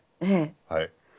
はい。